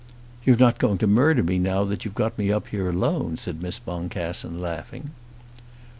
"You're not going to murder me now you've got me up here alone?" said Miss Boncassen, laughing.